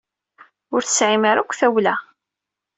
Ur tesɛim ara akk tawla.